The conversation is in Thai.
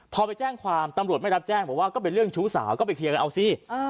พอไปแจ้งความตำรวจไม่รับแจ้งบอกว่าก็เป็นเรื่องชู้สาวก็ไปเคลียร์กันเอาสิ